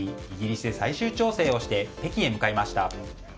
イギリスで最終調整をして北京へ向かいました。